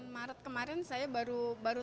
maret kemarin saya baru